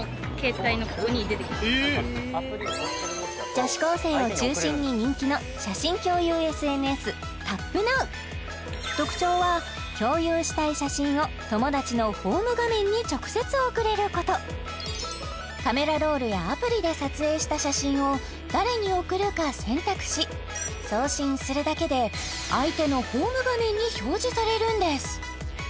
女子高生を中心に人気の特徴は共有したい写真を友達のホーム画面に直接送れることカメラロールやアプリで撮影した写真を誰に送るか選択し送信するだけで相手のホーム画面に表示されるんです